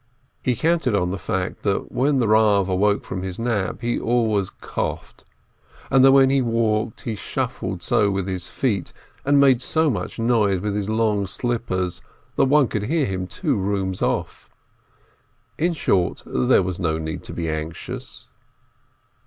He counted on the fact that when the Bav awoke from his nap, he always coughed, and that when he walked he shuffled so with his feet, and made so much noise with his long slippers, that one could hear him two rooms off. In short, there was no need to be anxious.